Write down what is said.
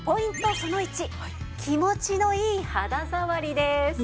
その１気持ちのいい肌ざわりです。